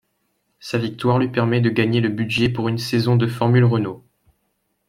Sa victoire lui permet de gagner le budget pour une saison de Formule Renault.